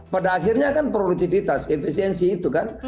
pada akhirnya kan produktivitas efisiensi itu kan